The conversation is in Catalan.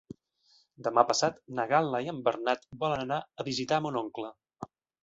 Demà passat na Gal·la i en Bernat volen anar a visitar mon oncle.